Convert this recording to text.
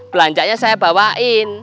banjanya saya bawain